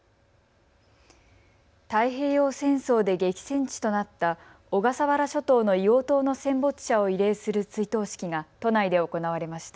太平洋戦争で激戦地となった小笠原諸島の硫黄島の戦没者を慰霊する追悼式が都内で行われました。